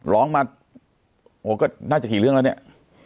ร้องมาโอ้ก็น่าจะกี่เรื่องแล้วเนี่ย